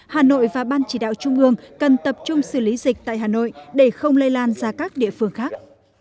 hà nội và ban chỉ đạo trung ương cần tập trung xử lý dịch tại hà nội để không lây lan ra các địa phương khác